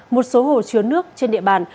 một số hồ chứa nước trên địa bàn